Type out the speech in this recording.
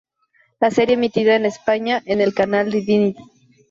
La serie es emitida en España en el canal Divinity.